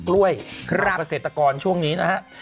กล้วยเกียรติ์ประเศษตะกรช่วงนี้นะฮะ